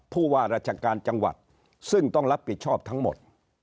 ผู้ว่าราชการจังหวัดซึ่งต้องรับผิดชอบทั้งหมด